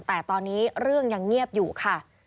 แต่ตอนนี้เรื่องยังเงียบอยู่ค่ะ